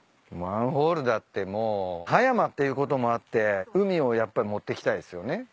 マンホールだってもう葉山っていうこともあって海をやっぱり持ってきたいっすよね